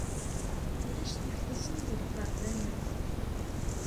Ulac tiftisin deg lqerban-a.